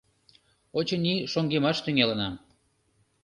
Очыни, шоҥгемаш тӱҥалынам.